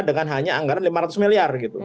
dengan hanya anggaran lima ratus miliar gitu